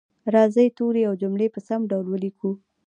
راځئ توري او جملې په سم ډول ولیکو